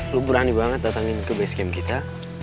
lu berani banget datangin ke base camp kita